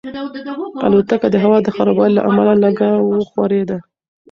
الوتکه د هوا د خرابوالي له امله لږه وښورېده.